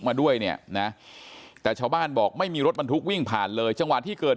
มาด้วยเนี่ยนะแต่ชาวบ้านบอกไม่มีรถบรรทุกวิ่งผ่านเลยจังหวะที่เกิด